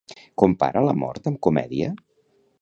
Compara la mort amb comèdia?